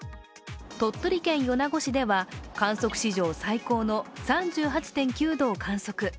鳥取県米子市では観測史上最高の３８．９度を観測。